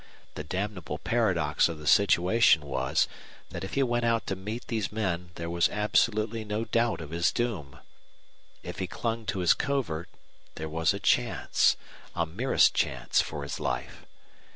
The damnable paradox of the situation was that if he went out to meet these men there was absolutely no doubt of his doom. If he clung to his covert there was a chance, a merest chance, for his life.